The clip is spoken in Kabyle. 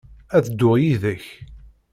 Ad dduɣ yid-k.